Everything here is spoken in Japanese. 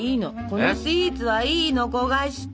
このスイーツはいいの焦がして。